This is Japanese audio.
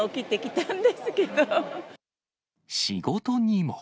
仕事にも。